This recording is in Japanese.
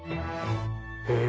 へえ！